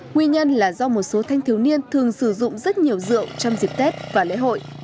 nguyên nhân là do một số thanh thiếu niên thường sử dụng rất nhiều rượu trong dịp tết và lễ hội